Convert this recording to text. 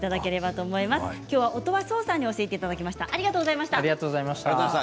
今日は音羽創さんに教えていただきました。